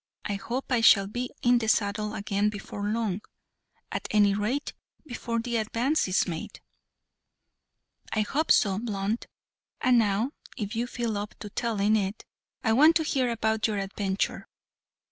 I hope I shall be in the saddle again before long at any rate before the advance is made." "I hope so, Blunt. And now, if you feel up to telling it, I want to hear about your adventure.